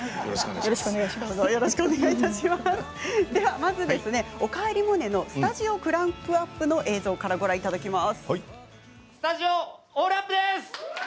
まず「おかえりモネ」のスタジオクランクアップの映像からご覧いただきます。